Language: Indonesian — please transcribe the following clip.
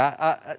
sudah tepat belum